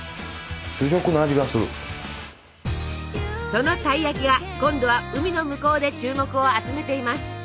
そのたい焼きが今度は海の向こうで注目を集めています！